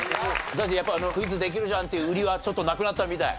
やっぱりクイズできるじゃんっていう売りはちょっとなくなったみたい。